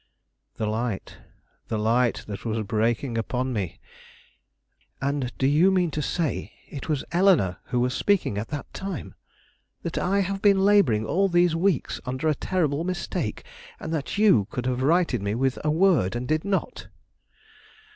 The light, the light that was breaking upon me! "And do you mean to say it was Eleanore who was speaking at that time? That I have been laboring all these weeks under a terrible mistake, and that you could have righted me with a word, and did not?"